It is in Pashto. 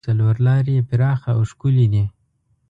څلور لارې یې پراخه او ښکلې دي.